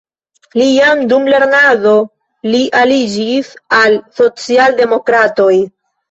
Li jam dum lernado li aliĝis al socialdemokratoj.